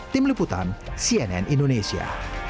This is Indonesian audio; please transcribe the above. tim liputan cnn indonesia